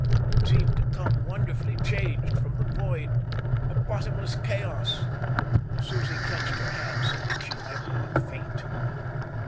It seemed to come, wonderfully changed, from the void of bottomless chaos. Susie clenched her hands so that she might not faint.